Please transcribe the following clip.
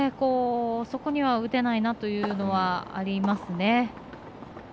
そこには打てないなというのはありますね。